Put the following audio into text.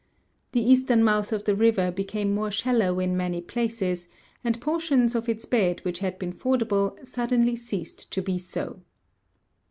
The eastern mouth of the river became more shallow in many places, and por tions of its bed which had been fordable suddenly ceased to be so.